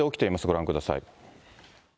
ご覧ください。